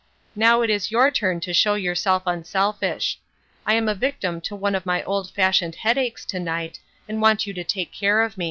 Now it is your turn to show yourself unselfish. I'm a victim to one of my old fashioned head aches, to night, and want you to take care of me.